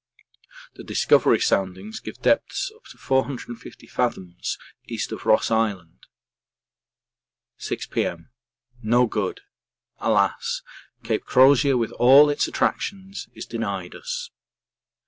The Discovery soundings give depths up to 450 fathoms East of Ross Island. 6 P.M. No good!! Alas! Cape Crozier with all its attractions is denied us.